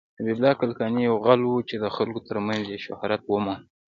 حبيب الله کلکاني يو غل وه ،چې د خلکو تر منځ يې شهرت وموند.